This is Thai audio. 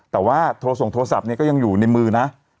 แต่ว่าโทรส่งโทรศัพท์เนี่ยก็ยังอยู่ในมือนะ